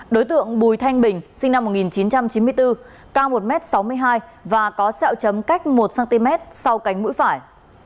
đối tượng bùi thanh bình sinh năm một nghìn chín trăm chín mươi bốn cao một m sáu mươi hai và có sẹo chấm cách một cm sau cánh mũi phải